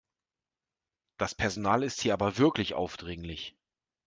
Das Personal ist hier aber wirklich aufdringlich.